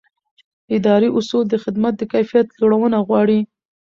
اداري اصول د خدمت د کیفیت لوړونه غواړي.